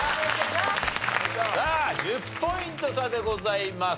さあ１０ポイント差でございます。